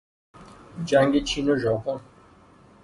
جنگ چین و ژاپن